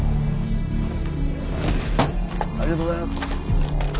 ありがとうございます。